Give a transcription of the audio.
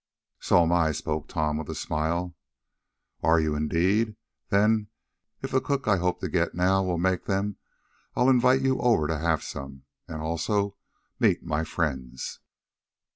"So am I," spoke Tom, with a smile. "Are you, indeed? Then, if the cook I hope to get now will make them, I'll invite you over to have some, and also meet my friends."